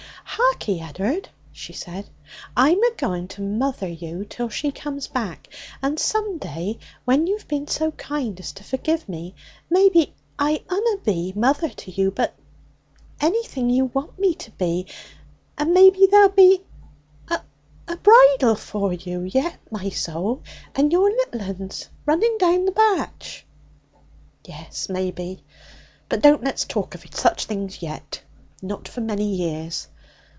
'Harkee, Ed'ard!' she said; 'I'm agoing to mother you till she comes back. And some day, when you've bin so kind as to forgive me, maybe I unna be mother to you, but anything you want me to be. And, maybe, there'll be a a bridal for you yet, my soul, and your little uns running down the batch.' 'Yes, maybe. But don't let's talk of such things yet, not for many years.